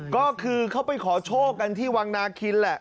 ก็คือเขาไปขอโชคกันที่วังนาคินแหละ